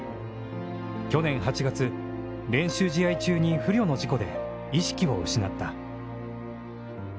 去年８月、練習試合中に不慮の事故で意識を失った。